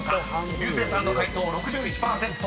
［竜星さんの解答６１％。